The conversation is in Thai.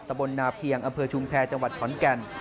บนนาเพียงอำเภอชุมแพรจังหวัดขอนแก่น